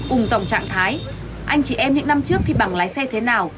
úng dòng trạng thái anh chị em những năm trước thi bằng lái xe thế nào